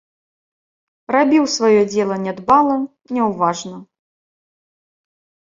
Рабіў сваё дзела нядбала, няўважна.